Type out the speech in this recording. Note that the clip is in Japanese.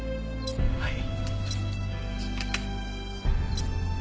はい。